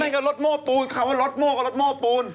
นี่ก็รถโม้ปูนคำว่ารถโม้ก็รถโม้ปูน